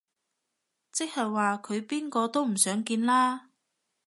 即係話佢邊個都唔想見啦